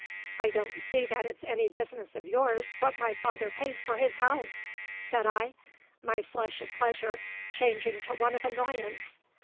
"I don't see that it's any business of yours what my father pays for his house!" said I, my flush of pleasure changing to one of annoyance.